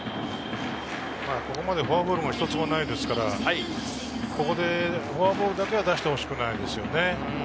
ここまでフォアボールも一つもないですから、ここでフォアボールだけは出してほしくないですよね。